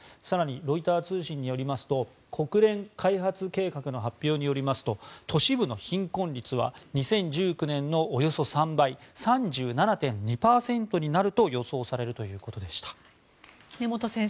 更にロイター通信によりますと国連開発計画の発表によりますと都市部の貧困率は２０１９年のおよそ３倍３７．２％になると予想されるということでした。